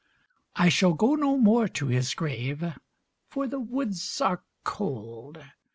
I shall go no more to his grave, For the woods are cold.